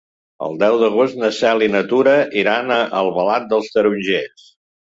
El deu d'agost na Cel i na Tura iran a Albalat dels Tarongers.